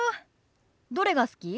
どれが好き？